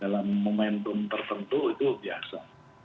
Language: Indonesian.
dalam momentum tertentu itu biasa